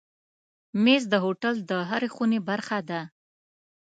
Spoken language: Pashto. مېز د هوټل د هرې خونې برخه ده.